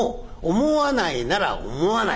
思わないなら思わない。